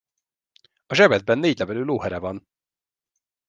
A zsebedben négylevelű lóhere van!